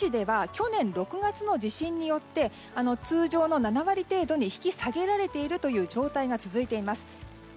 また珠洲市では去年６月の地震によって通常の７割程度に引き下げられている状態が続いています。